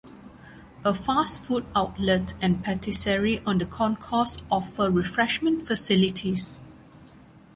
A fast food outlet and patisserie on the concourse offer refreshment facilities.